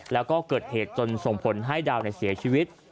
แล้วก็เกิดเหตุจนส่งผลให้ดาวเสียชีวิต